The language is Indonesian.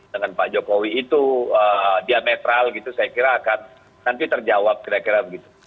dengan pak jokowi itu dia netral gitu saya kira akan nanti terjawab kira kira begitu